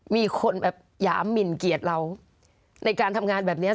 มีคนแบบหยามหมินเกียรติเราในการทำงานแบบนี้